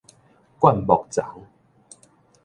灌木叢